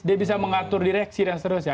dia bisa mengatur direksi dan seterusnya